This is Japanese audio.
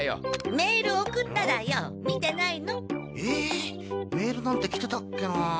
メールなんて来てたっけなあ。